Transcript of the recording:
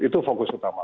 itu fokus utama